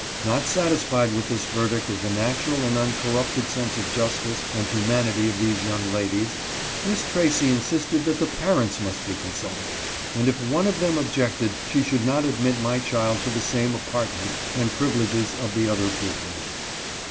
Not satisfied with this verdict of the natural and uncorrupted sense of justice and hu manity of these young ladies, Miss Tracy insisted that the parents must be consulted, and if one of them objected she should not admit my child to the same apartment and privileges of the other pupils.